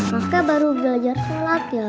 maka baru belajar sholat ya